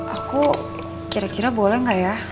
aku kira kira boleh nggak ya